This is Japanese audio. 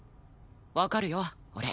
わかるよ俺。